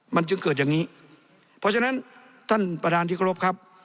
มันจึงเกิดอย่างนี้เพราะฉะนั้นท่านประธานที่เคารพครับ